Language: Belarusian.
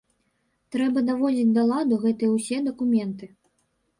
Трэба даводзіць да ладу гэтыя ўсе дакументы.